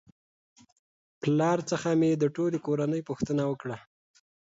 پلار څخه مې د ټولې کورنۍ پوښتنه وکړه